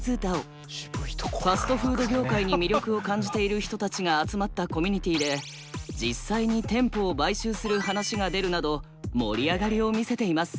ファストフード業界に魅力を感じている人たちが集まったコミュニティで実際に店舗を買収する話が出るなど盛り上がりを見せています。